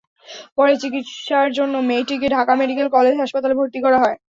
পরে চিকিৎসার জন্য মেয়েটিকে ঢাকা মেডিকেল কলেজ হাসপাতালে ভর্তি করা হয়।